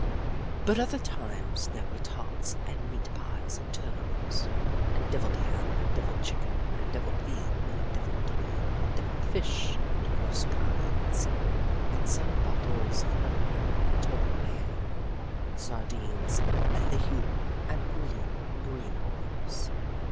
But other times there were tarts and meat pies and turnovers, and deviled ham and deviled chicken and deviled veal and deviled tongue and deviled fish of divers kinds, and some bottles of nut brown October ale, and sardines a l'huile, and green, green olives.